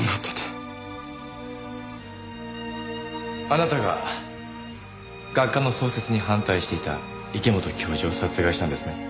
あなたが学科の創設に反対していた池本教授を殺害したんですね？